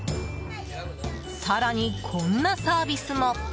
更に、こんなサービスも。